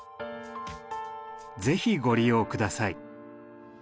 是非ご利用下さい。